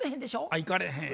あっ行かれへん。